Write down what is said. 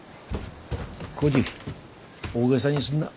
耕治大げさにすんな。